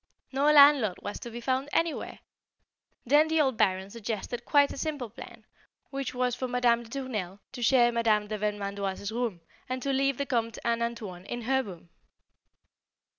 No landlord was to be found anywhere. Then the old Baron suggested quite a simple plan, which was for Madame de Tournelle to share Madame de Vermandoise's room, and to leave the Comte and "Antoine" in her room.